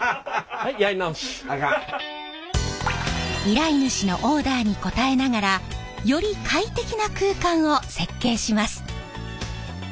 依頼主のオーダーに応えながらより快適な空間を設計します。